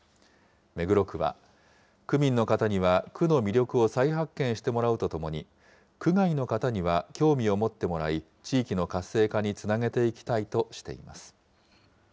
目黒区は、区民の方には区の魅力を再発見してもらうとともに、区外の方には興味を持ってもらい、地域の活性化につなげていきたいとしています。